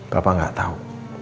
papa gak tau